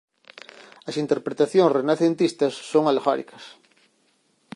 As interpretacións renacentistas son alegóricas.